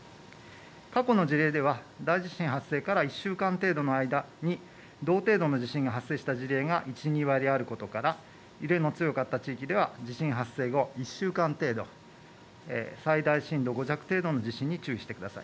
過去の事例では大地震発生から１週間程度の間に同程度の地震が発生した事例が１、２割あることから揺れの強かった地域では地震発生後１週間程度、最大震度５弱程度の地震に注意してください。